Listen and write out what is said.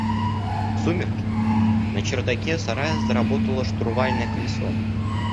В сумерки на чердаке сарая заработало штурвальное колесо.